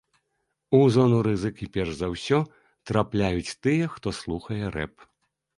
У зону рызыкі перш за ўсё трапляюць тыя, хто слухае рэп.